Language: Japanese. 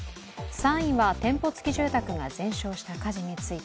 ３位は店舗つき住宅が全焼した火事について。